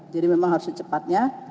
jadi memang harus secepatnya